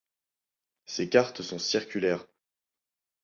Ces cartes sont circulaires.